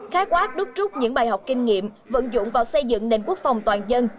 khái quát đúc trúc những bài học kinh nghiệm vận dụng vào xây dựng nền quốc phòng toàn dân